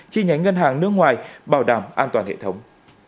chi nhánh ngân hàng nước ngoài bảo đảm an toàn hệ thống